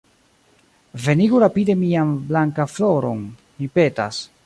Venigu rapide mian Blankafloron, mi petas.